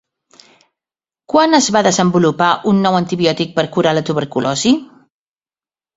Quan es va desenvolupar un nou antibiòtic per curar la tuberculosi?